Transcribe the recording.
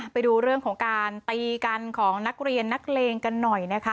ไปดูเรื่องของการตีกันของนักเรียนนักเลงกันหน่อยนะคะ